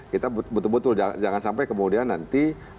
kita betul betul jangan sampai kemudian nanti